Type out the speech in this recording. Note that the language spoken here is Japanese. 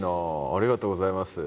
ありがとうございます。